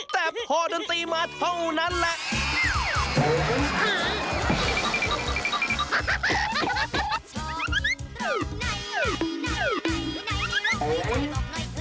แต่พอดนตรีมาเท่านั้นแหละ